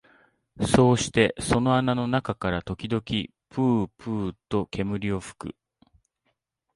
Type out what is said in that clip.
そうしてその穴の中から時々ぷうぷうと煙を吹く